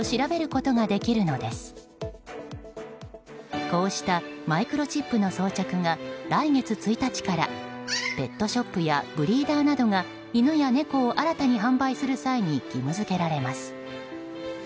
こうしたマイクロチップの装着が来月１日からペットショップやブリーダーなどが犬や猫を新たに販売する際に義務付けられます。